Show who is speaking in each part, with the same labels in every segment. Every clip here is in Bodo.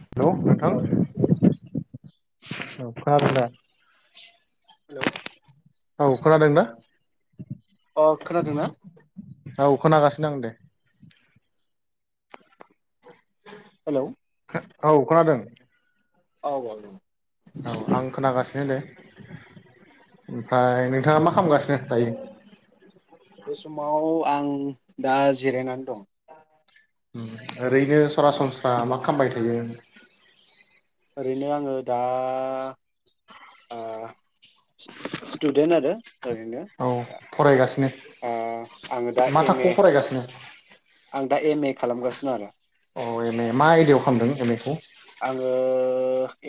Speaker 1: हेलौ नोंथां
Speaker 2: औ हेलौ
Speaker 1: औ खोनादों ना?
Speaker 2: हेलौ
Speaker 1: औ खोनादों ना?
Speaker 2: अ खोनादोंना?
Speaker 1: औ खोनागासिनो आं दे।
Speaker 2: हेलौ
Speaker 1: औ खोनादों।
Speaker 2: औ औ
Speaker 1: ओमफाय नोंथाङा मा खामगासिनो दायो।
Speaker 2: उम दा जिरायनानै दं।
Speaker 1: उम दा ओरैनो
Speaker 2: औ
Speaker 1: सरासनस्रा मा खामबाय थायो? [inaudible]
Speaker 2: ओरैनो आङो दा ओ स्ट स्टुदेन्ट आरो ओरैनो
Speaker 1: औ फरायगासिनो
Speaker 2: ओ आङो दा
Speaker 1: मा
Speaker 2: एम ए
Speaker 1: थाखोआव फरायगासिनो
Speaker 2: आं दा एम ए खालामगासिन' आरो
Speaker 1: अ एम ए मा आयडायाव खालामदों एम ए खौ
Speaker 2: आङो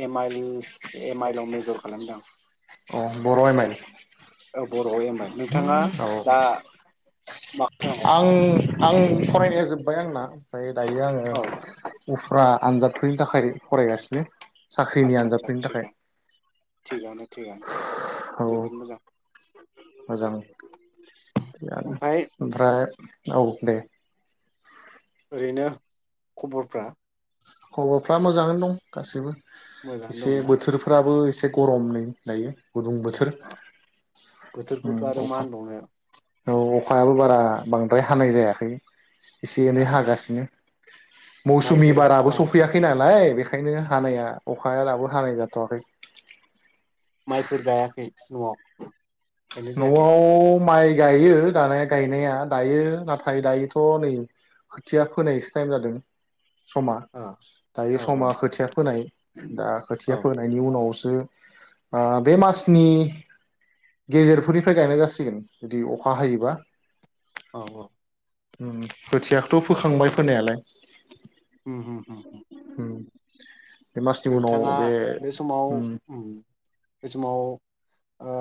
Speaker 2: M I L M I L आव मेजर खालामदां
Speaker 1: अ बर' एमाइल
Speaker 2: बर' आव एम आइ एल नोंथाङा दा मा
Speaker 1: आं
Speaker 2: खालामगासिनो आरो
Speaker 1: आं फरायनाया जोब बाय आंना ओमफाय दायो आङो
Speaker 2: औ
Speaker 1: उफ्रा आनजादफोरनि थाखाय फरायगासिनो साख्रिनि
Speaker 2: आदसा आदसा
Speaker 1: आन्जादफोरनि थाखाय
Speaker 2: थिगानो थिगानो
Speaker 1: औ
Speaker 2: थिगानो जोबोद मोजां
Speaker 1: मोजां थिगानो
Speaker 2: ओमफ्राय
Speaker 1: ओमफ्राय औ दे
Speaker 2: ओरैनो खबरफ्रा
Speaker 1: खबरफ्रा मोजाङैनो दं गासैबो
Speaker 2: मोजाङानो
Speaker 1: एसे
Speaker 2: दंना
Speaker 1: बोथोरफ्राबो एसे एसे गरम‌ नै दायो गुदुं बोथोर
Speaker 2: औ
Speaker 1: उम
Speaker 2: बोथोरखौथ' आरो मा
Speaker 1: अखा
Speaker 2: होनबावनो
Speaker 1: औ अखायाबो बारा बांद्राय हानाय जायाखै एसे एनै
Speaker 2: आ
Speaker 1: हागासिनो मौसुमि बाराबो
Speaker 2: माइफोरा
Speaker 1: सफैयाखै नालाय बेखायनो हानाया अखाया दाबो हानाय जाथ'वाखै
Speaker 2: माइफोर गायाखै न'आव गायनाय जायाखै
Speaker 1: न'आव माइ गायो दानाया गायनाया दायो नाथाय दायोथ' नै खोथिया फोनायसो टाइम जादों समा
Speaker 2: ओ औ
Speaker 1: दायो समा खोथिया फोनाय दा
Speaker 2: औ
Speaker 1: खोथिया फोनायनि उनावसो बे मासनि गेजेरफोरनिफ्राय गायनाय जासिगोन जुदि अखा हायोबा
Speaker 2: औ औ
Speaker 1: खोथियाखौथ' फोखांबाय फोनायालाय
Speaker 2: उम उम होम होम
Speaker 1: [inaudible] बे मासनि उनाव
Speaker 2: नोंथाङा
Speaker 1: बे
Speaker 2: समाव उम बे समाव ओ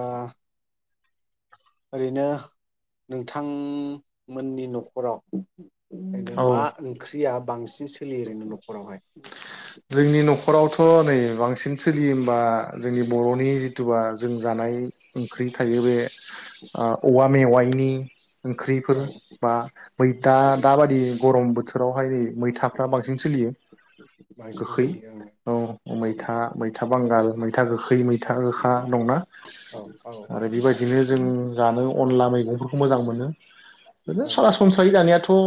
Speaker 2: ओरैनो नोंथांमोननि न'खराव नों
Speaker 1: औ
Speaker 2: मा ओंख्रिया? बांसिन सोलियो ओरैनो न'खरावहाय
Speaker 1: जोंनि न'खरावथ' नै बांसिन सिन सोलियो बा जोंनि बर'नि जि जिथुबा जों जानाय ओंख्रि थायो बे ओ औवा मेवाइनि
Speaker 2: औ
Speaker 1: ओंख्रिफोर बा मैथा दाबादि गरम बो बोथोरावहाय नै मैथाफ्रा बांसिन सोलियो
Speaker 2: बांसिनबो
Speaker 1: गोखै
Speaker 2: सोलियो ओं
Speaker 1: औ मैथा मैथा बांगाल मैथा गोखै
Speaker 2: औ
Speaker 1: मैथा गोखा दंना
Speaker 2: औ औ औ
Speaker 1: आरो बेबायदिनो जों जानो अनला मैगंफोरखौ मोजां मोनो बिनो
Speaker 2: ओं
Speaker 1: सरासनस्रायै दानियाथ' ओ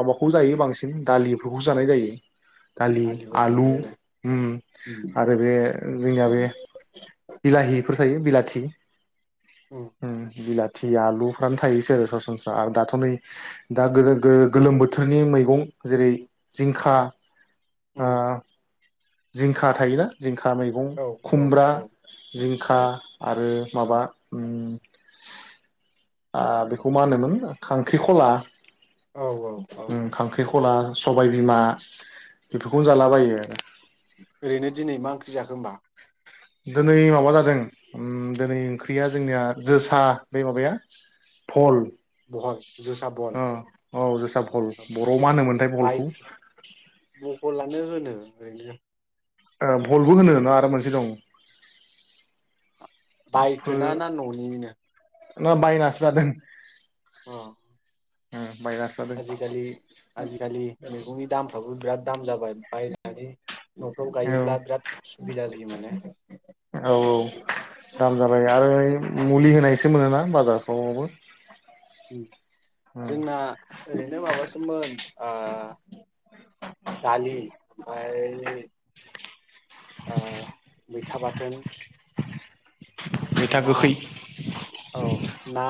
Speaker 1: माबाखौ जायो बांसिन दालिफोरखौसो जानाय जायो दालि
Speaker 2: दालिफोरबो
Speaker 1: आलु
Speaker 2: जायो आरो
Speaker 1: उम
Speaker 2: उम
Speaker 1: आरो बे जोंनिया बे बिलाहिफोर जायो बिलाथि उम बिला थि आलुफ्रानो थायोसै आरो सरासनस्रा आरो दाथ' नै दा गोदो गोलो-गोलोम बोथोरनि मैगं जेरै जिंखा आ
Speaker 2: उम
Speaker 1: जिंखा थायोना जिंखा खा मैगं
Speaker 2: औ औ
Speaker 1: खुमब्रा
Speaker 2: औ
Speaker 1: जिंखा
Speaker 2: औ
Speaker 1: आरो
Speaker 2: औ
Speaker 1: माबा ओम आ बेखौ मा होनोमोन खांख्रिखला
Speaker 2: औ औ औ
Speaker 1: ख'ला सबाय बिमा बेफोरखौनो जालाबायो आरो
Speaker 2: ओरैनो दिनै मा ओंख्रि जाखो ओमबा?
Speaker 1: दोनै माबा जादों उम दोनै ओंख्रिया जोंनिया जोसा बे माबाया भल
Speaker 2: बहल जोसा बहल
Speaker 1: ओ औ जोसा भल बर'आव मा होनोमोनथाय भलखौ?
Speaker 2: आनो होनो ओरैनो
Speaker 1: ओ भलबो होनो आरो मोनसे दं फो
Speaker 2: बायखोना ना न'निनो?
Speaker 1: ना बायनासो जादों
Speaker 2: अ
Speaker 1: उम
Speaker 2: आजिखालि आजिखालि मैगंनि दामफ्राबो बिराद दाम जाबाय बायनानै न'फ्राव
Speaker 1: औ
Speaker 2: गायोब्ला बिराद सुबिदा जायो माने
Speaker 1: औ औ दाम जाबाय आरो मुलि होनायसो मोनोना बाजार [unintelligible]
Speaker 2: जोंना ओरैनो माबासोमोन आ दालि ओमफाय आ मैथा बाथोन ओमफाय
Speaker 1: मैथा
Speaker 2: ना
Speaker 1: गोखै
Speaker 2: औ ना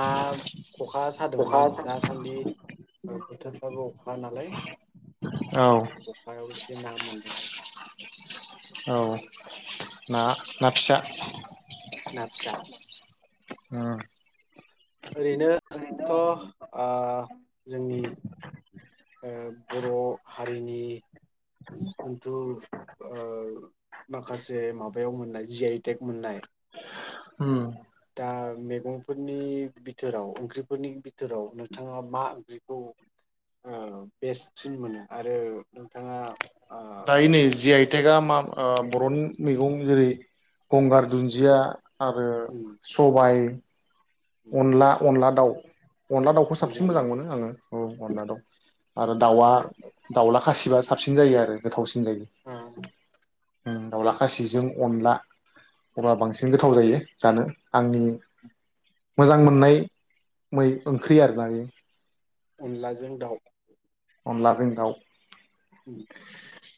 Speaker 2: खखा
Speaker 1: खखा
Speaker 2: सादोंमोन दासान्दि बोथोरफ्राबो अखा नालाय
Speaker 1: औ
Speaker 2: अखायावस से ना मोनदोंमोन
Speaker 1: औ ना ना फिसा
Speaker 2: ना फिसा
Speaker 1: अह
Speaker 2: ओरैनो थ' ओ जोंनि ओ बर' ओ हारिनि जुनथु ओ माखासे माबायाव मोननाय जि आइ टेक मोननाय
Speaker 1: उम
Speaker 2: ओ मेगंफोरनि बिथोराव ओंख्रिफोरनि बिथोराव नोंथाङा मा ओंख्रिखौ ओ बेस्ट सिन मोनो आरो नोंथाङा ओ
Speaker 1: दायो नै जि आइ टेगा मा ओ बर'नि मैगं जेरै गंगार दुन्दिया आरो
Speaker 2: उम
Speaker 1: सबाइ अनला अनला दाउ अनला दाउखौ साबसिन
Speaker 2: अनला
Speaker 1: मोजां
Speaker 2: दाउ
Speaker 1: मोनो आङो औ अनला दाउ आरो दाउआ
Speaker 2: अनला
Speaker 1: दाउला खासिबा सो साबसिन जायो आरो गोथावसि सिन जायो
Speaker 2: ओ
Speaker 1: उम दावला खासिजों अनला अब्ला बांसिन गोथाव जायो जानो आंनि
Speaker 2: [inaudible]
Speaker 1: मोजां मोननाय मै ओंख्रि आरोना बे
Speaker 2: अनलाजों दाउ
Speaker 1: अनलाजों दाउ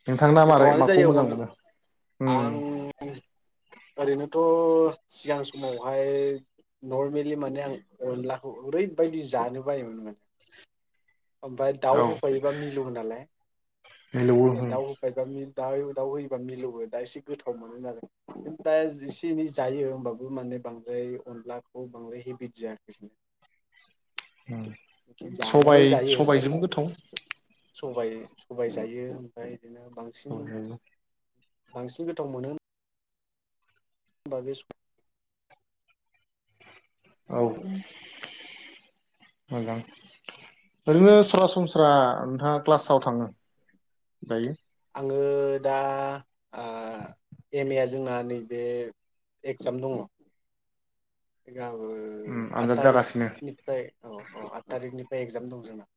Speaker 1: नोंथांना मारै
Speaker 2: गोथावानो
Speaker 1: माखौ
Speaker 2: जायो।
Speaker 1: मोजां
Speaker 2: अन
Speaker 1: मोनो उम
Speaker 2: आं ओरैनोथ' सिगां समावहाय नर्मेलि माने आं अनलाखौ ओरैबायदि जानो बायोमोन माने ओमफाय दाउ
Speaker 1: औ
Speaker 2: होफायोबा मिलौओ नालाय
Speaker 1: मिलौवो उम
Speaker 2: दा दाउ होफायोबा मिल दयु दाउ होयोबा मिलौओ दा एसे गोथाव मोनो नालाय दा एसे एनै जायो होमबाबो माने बांद्राय अनलाखौ बांद्राय हेबिट जायाखै
Speaker 1: ओ
Speaker 2: जानायालाय
Speaker 1: सबाय
Speaker 2: जायो
Speaker 1: सबायजोंबो गोथाव
Speaker 2: सबाय सबाय जायो ओमफाय बिदिनो बांसिन बांसिन गोथाव मोनो। बा बे सम
Speaker 1: औ मोजां ओरैनो सरासनस्रा नोंथाङा क्लासाव थाङो दायो।
Speaker 2: आङो दा ओ एम ए आ जोंना नैबे एगजाम दङ। ओ
Speaker 1: उम
Speaker 2: आठ
Speaker 1: आनजाद जागासिनो
Speaker 2: थारिखनिफ्राय औ औ आठ थारिखनिफ्राय बे एक्जाम दं जोंना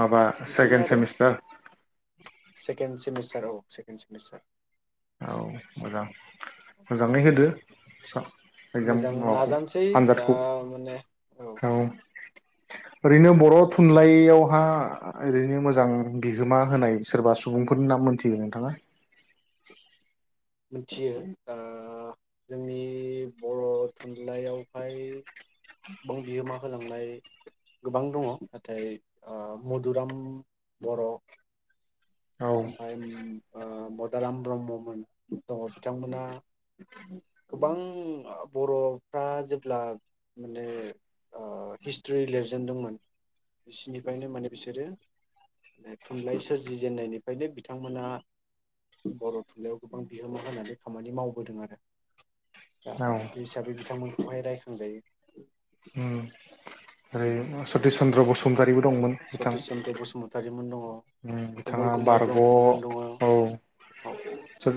Speaker 1: माबा
Speaker 2: बिदिनो
Speaker 1: सेकेणड
Speaker 2: आरो
Speaker 1: सेमिस्टार
Speaker 2: सार औ सेकणड सेमिस्टार
Speaker 1: औ मोजां मोजाङै जब आसा
Speaker 2: मोजां नाजानोसै दा माने औ
Speaker 1: ओरैनो बर'
Speaker 2: नाजागासिनो
Speaker 1: थुनलाइयावहा ओरैनो मोजां बिहोमा होनाय सोरबा सुबुंफोरनि नाम मोनथिगो नोंथाङा?
Speaker 2: मिथियो ओ जोंनि बर' थुनलाइयावहाय गोबां बिहोमा होलांनाय गोबां दङ नाथाय ओ मधुराम बर'
Speaker 1: औ
Speaker 2: [unintelligible] ओ मदाराम ब्रह्ममोन। दङ बिथांमोना गोबां बर'फ्रा जेब्ला माने हिस्ट्रि लिरजेनदोंमोन बिसिनिफ्रायनो माने बिसोरो थुनलाइ सोरजिजेननायनिफ्रायनो बिथांमोना बर' थुनलाइयाव गोबां बिहोमा होनानै खामानि मावबोदों आरो दा
Speaker 1: औ
Speaker 2: बे हिसाबै बिथांमोनखौहाय रायखांजायो।
Speaker 1: उम ओरै
Speaker 2: [inaudible]
Speaker 1: सतिस चन्द्र बसुमतारी
Speaker 2: सतिस चन्द्र बसुमतारिमोन दङ। औ कमल
Speaker 1: बिथाङा
Speaker 2: कुमार
Speaker 1: बारग' औ
Speaker 2: ब्रह्ममोन दङ
Speaker 1: सोर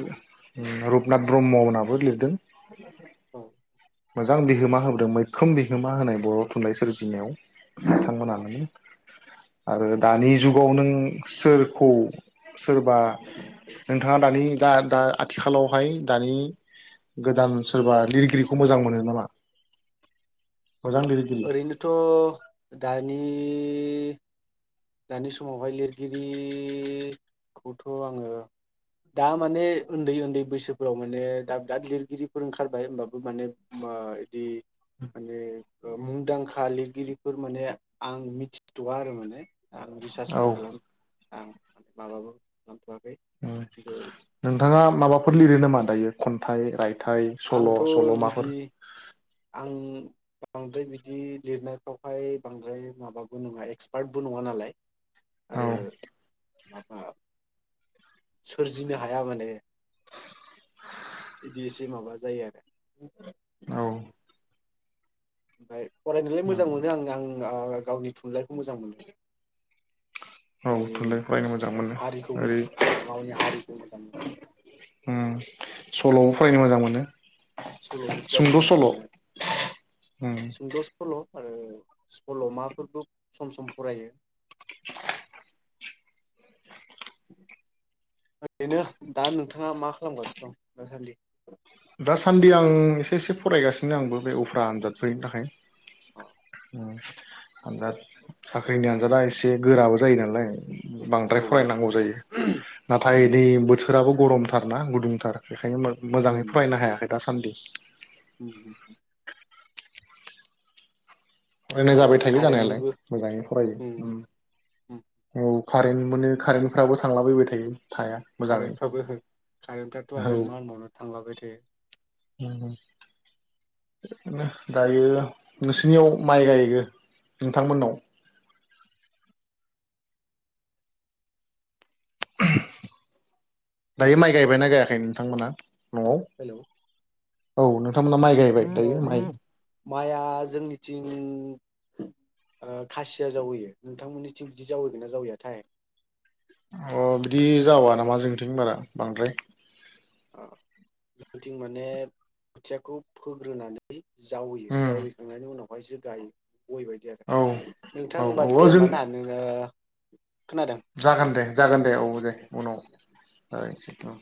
Speaker 1: रुपनाथ ब्रह्म होनहाबो लिरदों
Speaker 2: औ
Speaker 1: [inaudible] मोजां बिहोमा होबोदों मैखोम बिहोमा होनाय बर' थुनलाइ सोरजिनायाव बिथांमोना नों आरो दानि जुगाव नों सोरखौ सोरबा नोंथाङा दानि दा दा आथिखालावहाय दानि गोदान सोरबा लिरगिरिखौ मोजां मोनो नामा? मोजां लिरगिरि
Speaker 2: ओरैनोथ' दानि इ दानि समावहाय लिरगिरिखौथ' आङो दा माने ओन्दै ओन्दै बैसोफोराव माने दाब दाब लिरगिरिफोर ओंखारबाय होमबाबो माने ओ इदि माने ओ मुंदांखा लिरगिरिफोर माने आं मिथिथ'वा आरो माने। आं
Speaker 1: औ
Speaker 2: रिसार्चबो खालाम आं माबाबो नंथ'वा
Speaker 1: उम नोंथाङा माबाफोर
Speaker 2: खिन्थु
Speaker 1: लिरो नामा दायो खन थाइ राय
Speaker 2: आंथ' बिदि आं बांद्राय बिदि लिरनायफ्रावहाय बांद्राय माबाबो नङा एक्सपार्टबो नङा नालाय
Speaker 1: औ
Speaker 2: आरो माबा सोरजिनो हाया माने। इदि एसे माबा जायो आरो।
Speaker 1: औ
Speaker 2: [unintelligible] फरायनोलाय मोजां
Speaker 1: औ
Speaker 2: मोनो आं आं गाला-ला गावनि थुनलाइ खौ मोजां मोनो माने
Speaker 1: थुनलाइ फरायनो मोजां मोनो
Speaker 2: हारिखौ
Speaker 1: ओरै
Speaker 2: गावनि हारिखौ मोजां मोनो।
Speaker 1: उम सल'बो फरायनो मोजां मोनो।
Speaker 2: सल'बो फरायनो
Speaker 1: सुंद'
Speaker 2: मोजां
Speaker 1: सल'
Speaker 2: मोनो
Speaker 1: उम
Speaker 2: सुंद' सल' आरो स्कल'मा फोरबो सम सम फरायो।
Speaker 1: [inaudible]
Speaker 2: ओरैनो दा नोंथाङा मा खालामगासिनो दं दासान्दि?
Speaker 1: दासान्दि आं एसे एसे फरायगासिनो आंबो बे उफ्रा आनजादफोरनि थाखाय।
Speaker 2: अ
Speaker 1: ओ आजाद साख्रिनि आनजादा एसे गोराबो जायो नालाय बांद्राय
Speaker 2: औ
Speaker 1: फरायनांगौ जायो नाथाय
Speaker 2: उम
Speaker 1: दै बोथ थोराबो गरमथारना गुदुंथार बेखायनो मो
Speaker 2: उम
Speaker 1: मोजाङै हायाखै दासान्दि
Speaker 2: [unintelligible]
Speaker 1: ओरैनो
Speaker 2: आरो
Speaker 1: जाबाय थायो जानायालाय
Speaker 2: कारेन्टनिबो
Speaker 1: मोजाङै फरायो उम
Speaker 2: उम
Speaker 1: औ कारेन्ट मोनो कारेन्टफ्राबो थांलाबायबाय थायो। थाया मोजाङै
Speaker 2: कारेन्टफ्राबो कारेन्टफ्राथ' आरो मा होनबावनो थांलाबाय थायो
Speaker 1: उम। इदिनो दायो नोंसिनियाव माइ गायो नोंथां मोननाव? [inaudible] दायो माइ गायबायना गायाखै नोंथांमोना न आव
Speaker 2: हेलौ
Speaker 1: औ नों
Speaker 2: अ माइआ जोंनिथिं खासिया जावैयो नोंथांमोननिथिं बिदि जावैगोन ना जावैयाथाय
Speaker 1: अ बिदि जावा नामा जोंनिथिं बारा बांद्राय
Speaker 2: जोंथिं माने खोथियाखौ फोग्रोनानै जावैयो
Speaker 1: उम
Speaker 2: जावैखांनायनि उनावहायसो गायो बै बायदि आरो
Speaker 1: औ औ
Speaker 2: नोंथांबा दे
Speaker 1: औ जों
Speaker 2: होमबा ना नोङो खोनादों
Speaker 1: जागोन दे जागोन दे औ दे उनाव रायलायसै औ